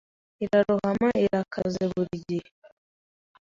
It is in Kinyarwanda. irarohama, irakaze burigihe